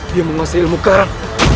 dia memasih ilmu karam